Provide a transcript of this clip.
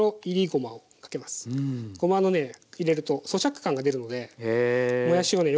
ごまのね入れるとそしゃく感が出るのでもやしをね